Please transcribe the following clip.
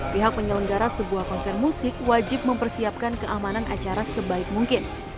pihak penyelenggara sebuah konser musik wajib mempersiapkan keamanan acara sebaik mungkin